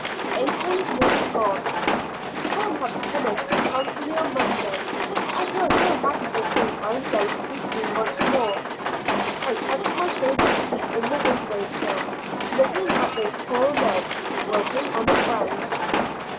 April is nearly gone. Tom has promised to come for me on Monday; I feel so happy to think I am going to be free once more. I sat on my favorite seat in the window sill, looking at those poor men working on the grounds.